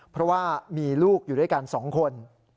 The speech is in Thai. เพราะว่ามีลูกอยู่ด้วยกัน๒คน